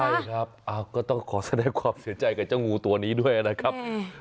ใช่ครับก็ต้องขอแสดงความเสียใจกับเจ้างูตัวนี้ด้วยนะครับ